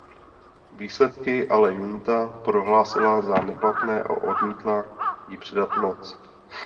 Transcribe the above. Výsledky ale junta prohlásila za neplatné a odmítla jí předat moc.